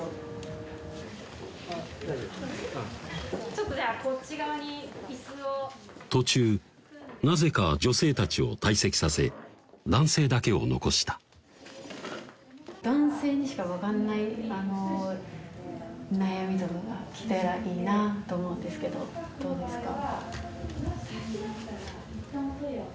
ちょっとじゃあこっち側に椅子を途中なぜか女性たちを退席させ男性だけを残した男性にしか分かんない悩みとかが聞けたらいいなと思うんですけどどうですか？